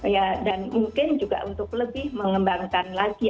ya dan mungkin juga untuk lebih mengembangkan lagi